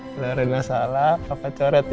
kalau rena salah papa coret ya